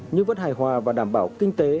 nhưng vẫn hài hòa và đảm bảo kinh tế